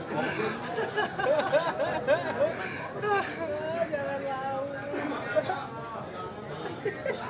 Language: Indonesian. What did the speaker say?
terima kasih pak